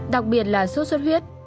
đặc biệt là sốt suất huyết